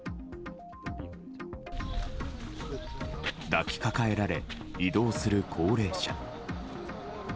抱きかかえられ移動する高齢者。